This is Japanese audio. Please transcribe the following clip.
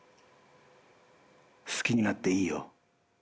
好きになっていいよ。